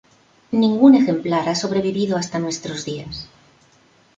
Ningún ejemplar ha sobrevivido hasta nuestros días.